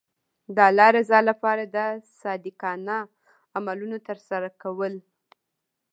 د الله رضا لپاره د صادقانه عملونو ترسره کول.